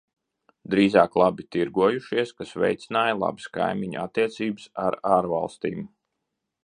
Drīzāk labi tirgojušies, kas veicināja labas kaimiņu attiecības ar ārvalstīm.